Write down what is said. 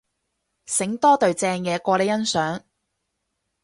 醒多隊正嘢過你欣賞